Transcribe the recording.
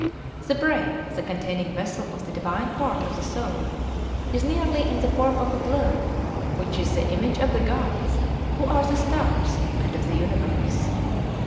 The brain, the containing vessel of the divine part of the soul, is (nearly) in the form of a globe, which is the image of the gods, who are the stars, and of the universe.